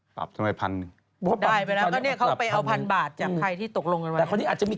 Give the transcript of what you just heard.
ปรับทำไม๑๐๐๐